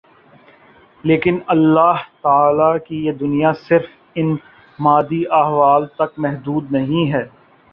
لیکن اللہ تعالیٰ کی یہ دنیا صرف ان مادی احوال تک محدود نہیں ہے